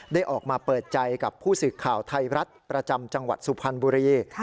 ได้ออกมาเปิดใจกับผู้สื่อข่าวไทยรัฐประจำจังหวัดสุพรรณบุรี